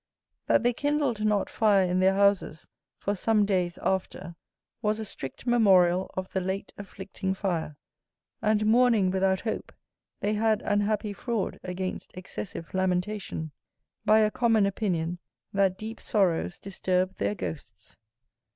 That they kindled not fire in their houses for some days after was a strict memorial of the late afflicting fire. And mourning without hope, they had an happy fraud against excessive lamentation, by a common opinion that deep sorrows disturb their ghosts.